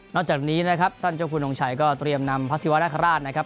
จากนี้นะครับท่านเจ้าคุณทงชัยก็เตรียมนำพระศิวรคราชนะครับ